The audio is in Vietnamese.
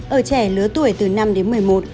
ở trẻ lứa tuổi từ năm đến một mươi một